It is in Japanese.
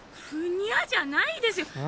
「ふにゃ」じゃないですよ！